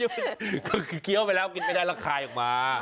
คือเคี้ยวไปแล้วกินไม่ได้แล้วคายออกมา